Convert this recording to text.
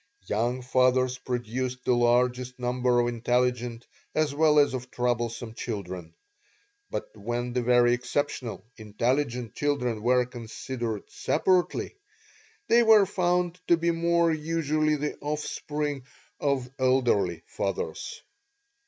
Young fathers produced the largest number of intelligent, as well as of troublesome children; but when the very exceptional intelligent children were considered separately, they were found to be more usually the offspring of elderly fathers.